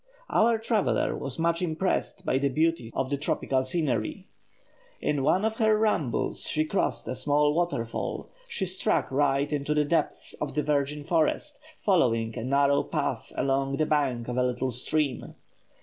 Our traveller was much impressed by the beauties of the tropical scenery. In one of her rambles she crossed a small waterfall; she struck right into the depths of the virgin forest, following a narrow path along the bank of a little stream.